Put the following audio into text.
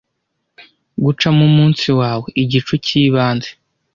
Gucamo umunsi wawe, igicu cyibanze